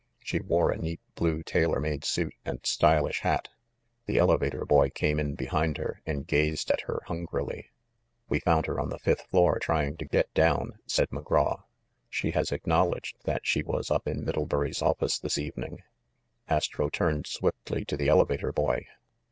She wore a neat blue tailor made suit and stylish hat. The elevator boy came in behind her and gazed at her hungrily. "We found her on the fifth floor trying to get 396 THE MASTER OF MYSTERIES down," said McGraw. "She has acknowledged that she was up in Middlebury's office this evening." Astro turned swiftly to the elevator boy.